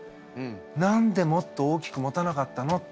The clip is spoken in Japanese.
何でもっと大きく持たなかったのって。